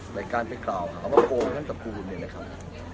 หลายการไปกล่าวว่าโกงนั้นจับปูนไงนะครับ